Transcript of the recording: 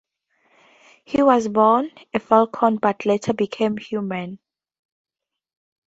He was born a falcon but later became human.